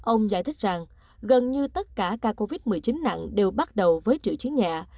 ông giải thích rằng gần như tất cả ca covid một mươi chín nặng đều bắt đầu với triệu chiến nhẹ